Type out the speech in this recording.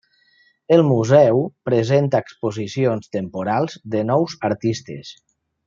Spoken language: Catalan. El museu presenta exposicions temporals de nous artistes.